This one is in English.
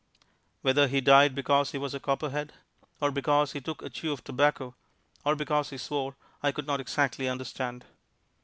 Whether he died because he was a Copperhead, or because he took a chew of tobacco, or because he swore, I could not exactly understand.